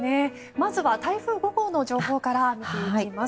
まずは、台風５号の情報から見ていきます。